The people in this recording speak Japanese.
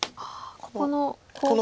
ここのコウが。